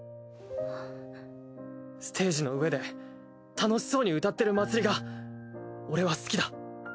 ステージの上で楽しそうに歌ってるまつりが俺は好きだ！